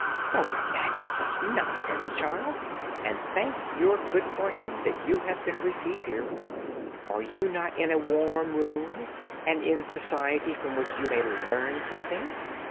Don't imagine such nonsense, child, and thank your good fortune that you have been received here. Are you not in a warm room, and in society from which you may learn something.